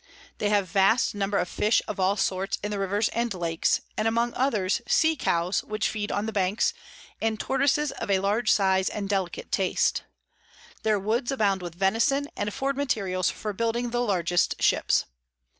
They have vast number of Fish of all sorts in the Rivers and Lakes; and among others, Sea Cows, which feed on the Banks, and Tortoises of a large Size and delicate Taste. Their Woods abound with Venison, and afford Materials for building the largest Ships.